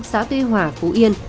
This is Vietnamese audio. xã tuy hòa phú yên